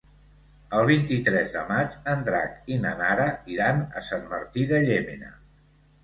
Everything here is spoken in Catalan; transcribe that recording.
El vint-i-tres de maig en Drac i na Nara iran a Sant Martí de Llémena.